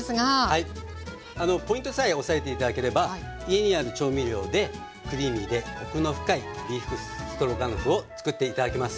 はいポイントさえ押さえて頂ければ家にある調味料でクリーミーでコクの深いビーフストロガノフをつくって頂けます。